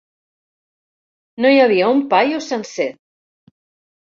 No hi havia un paio sencer.